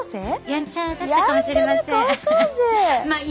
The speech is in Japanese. やんちゃだったかもしれません。